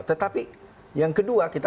tetapi yang kedua kita